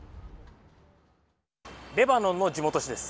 レバノンの地元紙です。